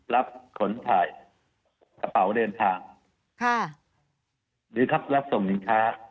รับขนถ่ายกระเป๋าเดินทางค่ะหรือครับรับส่งสินค้า